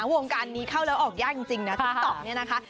วงการนี้เข้าแล้วออกยากจริงนะติ๊กต๊อกเนี่ยนะคะ